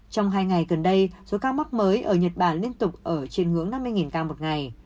trong hai ngày gần đây số ca mắc mới ở nhật bản liên tục ở trên hướng năm mươi ca một ngày